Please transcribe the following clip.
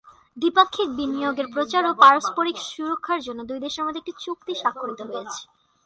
দ্বিপাক্ষিক বিনিয়োগের প্রচার ও পারস্পরিক সুরক্ষার জন্য দুই দেশের মধ্যে একটি চুক্তি স্বাক্ষরিত হয়েছে।